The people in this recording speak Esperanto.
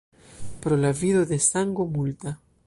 Pro la vido de sango multa.